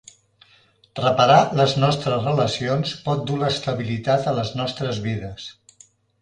Reparar les nostres relacions pot dur l'estabilitat a les nostres vides.